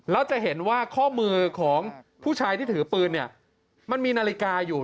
แล้วจะเห็นว่าข้อมือของผู้ชายที่ถือปืนเนี่ยมันมีนาฬิกาอยู่